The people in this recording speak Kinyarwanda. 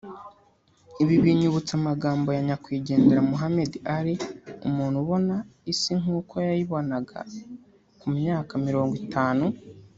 Ibi binyibutsa amagambo ya nyakwigendera Muhammad Ali; ‘‘Umuntu ubona isi nk’uko yayibonaga ku myaka mirongo itanu